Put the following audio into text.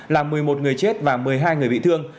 làm một mươi một người chết và một mươi hai người bị thương